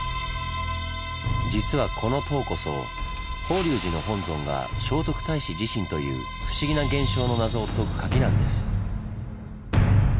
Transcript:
実はこの塔こそ法隆寺の本尊が聖徳太子自身という不思議な現象の謎を解くカギなんです。